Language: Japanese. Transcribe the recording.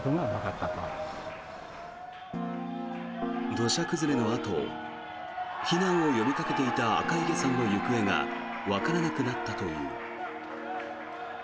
土砂崩れのあと避難を呼びかけていた赤池さんの行方がわからなくなったという。